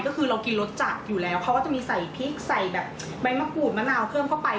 ก็คือเรากินรสจัดอยู่แล้วเขาก็จะมีใส่พริกใส่แบบใบมะกรูดมะนาวเพิ่มเข้าไป